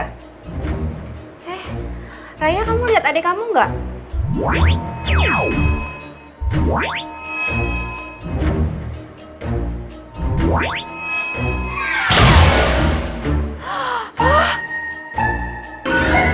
eh raya kamu lihat adik kamu gak